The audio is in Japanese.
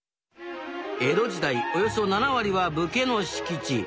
江戸時代およそ７割は武家の敷地。